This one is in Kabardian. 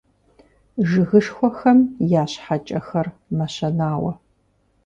Жыгышхуэхэм я щхьэкӀэхэр мэщэнауэ.